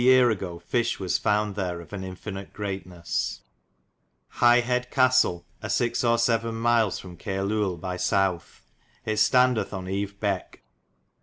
yere ago fisch was fownd ther of an infinite greatnes. Hyghhed Castel a vi. or vii. myles [from] Cairluel by sowth. Yt stondeth on Yve Bek.